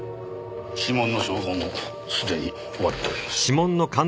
指紋の照合も既に終わっております。